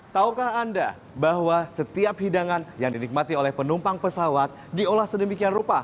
taukah anda bahwa setiap hidangan yang dinikmati oleh penumpang pesawat diolah sedemikian rupa